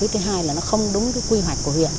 thứ hai là nó không đúng quy hoạch của huyện